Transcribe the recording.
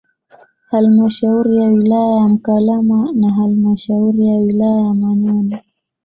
Halmashauri ya wilaya ya Mkalama na halmashauri ya wilaya ya Manyoni